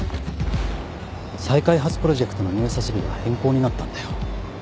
再開発プロジェクトの入札日が変更になったんだよ